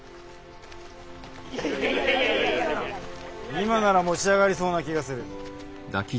今なら持ち上がりそうな気がする。